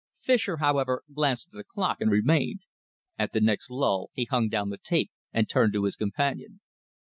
Fischer, however, glanced at the clock and remained. At the next lull, he hung down the tape and turned to his companion.